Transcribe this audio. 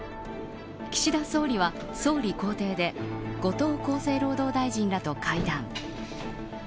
岸田総理は、総理公邸で後藤厚生労働大臣らと会談。